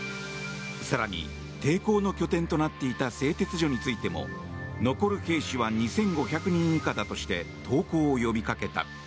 更に、抵抗の拠点となっていた製鉄所についても残る兵士は２５００人以下だとして投降を呼びかけた。